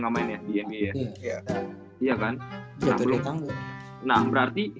namanya iya iya iya kan jatuh di tangga nah berarti